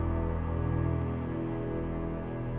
sally jangan kemana mana kamu